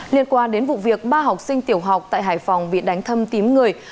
liên quan đến vụ việc ba học sinh tiểu học tại hải phòng bị đánh thâm tím người